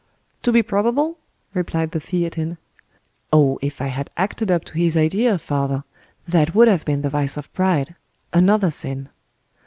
"To be probable?" replied the Theatin. "Oh! if I had acted up to his idea, father, that would have been the vice of pride—another sin."